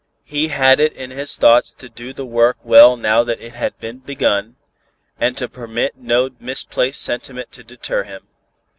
He had it in his thoughts to do the work well now that it had been begun, and to permit no misplaced sentiment to deter him.